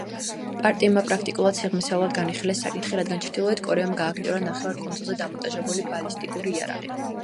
პარტიებმა, პრაქტიკულად, სიღრმისეულად განიხილეს საკითხი, რადგან ჩრდილოეთ კორეამ გაააქტიურა ნახევარკუნძულზე დამონტაჟებული ბალისტიკური იარაღი.